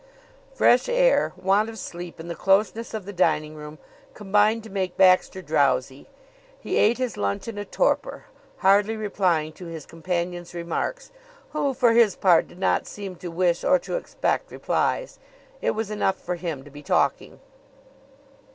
Fresh air, want of sleep and the closeness of the dining room combined to make Baxter drowsy. He ate his lunch in a torpor, hardly replying to his companion's remarks, who, for his part, did not seem to wish or to expect replies. It was enough for him to be talking.